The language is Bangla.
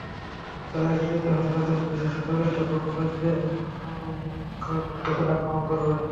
তারা একত্রিত হলে তাদের উদ্দেশে শুধু এতটুকু বলে যে– সংঘবদ্ধ হয়ে আক্রমণ করবে।